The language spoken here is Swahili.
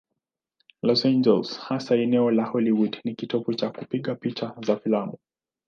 Los Angeles, hasa eneo la Hollywood, ni kitovu cha kupiga picha za filamu.